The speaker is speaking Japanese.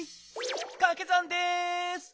かけ算です。